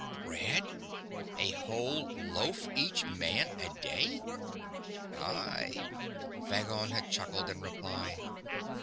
"Bread! A whole loaf each man a day?" "Aye," Phagon had chuckled in reply.